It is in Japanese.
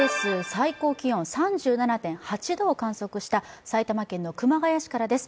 最高気温３７．８度を観測した埼玉県の熊谷市からです。